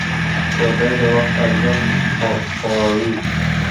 چوکۍ د وخت ارزښت ښووي.